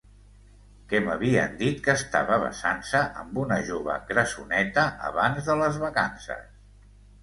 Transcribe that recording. Que m'havien dit que estava besant-se amb una jove grassoneta abans de les vacances!